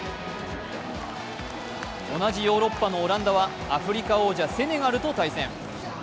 同じヨーロッパのオランダはアフリカ王者・セネガルと対戦。